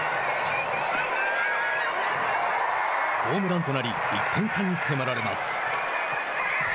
ホームランとなり１点差に迫られます。